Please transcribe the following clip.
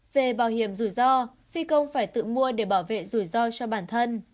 về bảo hiểm rủi ro phi công phải tự mua để bảo vệ rủi ro cho bản thân